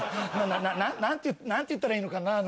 な何て言ったらいいのかな